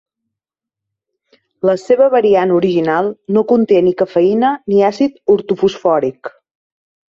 La seva variant original no conté ni cafeïna ni àcid ortofosfòric.